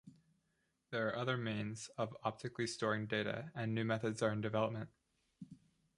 There are other means of optically storing data and new methods are in development.